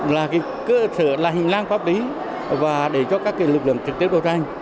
là cái cơ sở là hình lang pháp lý và để cho các cái lực lượng trực tiếp đấu tranh